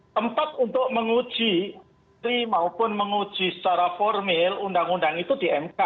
tempat untuk menguji maupun menguji secara formil undang undang itu di mk